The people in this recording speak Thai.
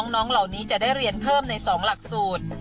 น้องเหล่านี้จะได้เรียนเพิ่มใน๒หลักสูตร